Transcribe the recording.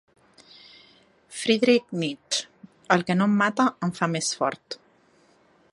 Friedrich Nietzsche: el que no em mata em fa més fort.